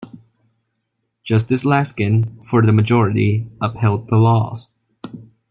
Justice Laskin, for the majority, upheld the laws.